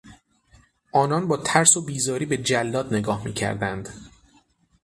آنان با ترس و بیزاری به جلاد نگاه میکردند.